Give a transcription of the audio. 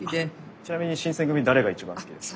ちなみに新選組誰が一番好きですか？